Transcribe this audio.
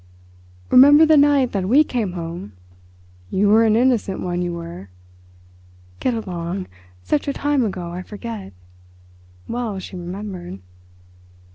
"Remember the night that we came home? You were an innocent one, you were." "Get along! Such a time ago I forget." Well she remembered.